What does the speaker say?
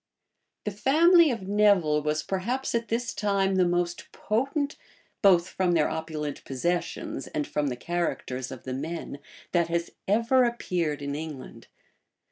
* Stowe, p. 387. The family of Nevil was perhaps at this time the most potent, both from their opulent possessions and from the characters of the men, that has ever appealed in England.